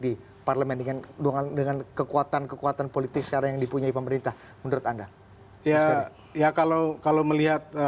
di parlemen dengan dengan kekuatan kekuatan politik sekarang yang dipunyai pemerintah menurut anda ya ya